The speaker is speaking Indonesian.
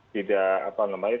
tidak apa namanya